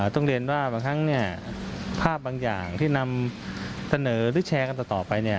ต้องเรียนว่าบางครั้งภาพบางอย่างที่นำเสนอหรือแชร์กันต่อไป